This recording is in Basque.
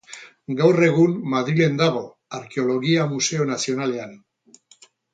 Gaur egun Madrilen dago, Arkeologia Museo Nazionalean.